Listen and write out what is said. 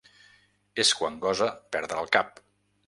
És quan gosa perdre el cap.